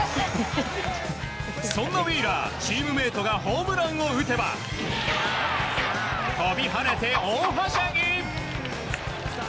そんなウィーラーチームメートがホームランを打てば飛び跳ねて大はしゃぎ！